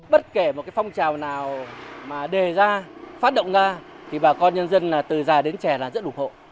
bất kể một phong trào nào mà đề ra phát động ra thì bà con nhân dân từ già đến trẻ là rất đủ hộ